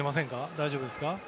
大丈夫ですか？